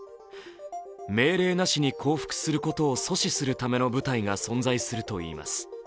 命令なしに降伏することを阻止するための部隊が存在するといいます。